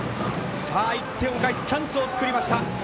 １点を返すチャンスを作りました。